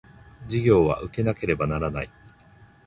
授業は受けなければならない